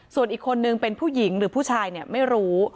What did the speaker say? ส่วนอีกคนนึงเป็นผู้หญิงหรือผู้ชายเนี่ยไม่รู้